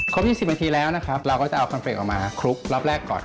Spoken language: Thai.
๒๐นาทีแล้วนะครับเราก็จะเอาคอนเฟรกออกมาคลุกรอบแรกก่อน